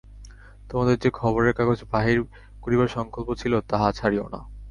তোমাদের যে খবরের কাগজ বাহির করিবার সঙ্কল্প ছিল, তাহা ছাড়িও না।